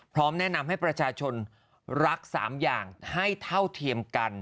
พร้อมแนะนำให้ประชาชนรัก๓อย่างให้เท่าเทียมกัน